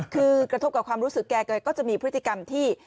คือกระทบกับความรู้สึกแกก็จะมีพฤติกรรมที่